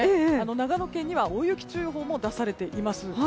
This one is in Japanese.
長野県には大雪注意報も出されています。